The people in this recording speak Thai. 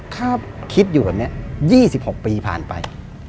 ถ้าคิดอยู่แบบนี้๒๖ปีผ่านไป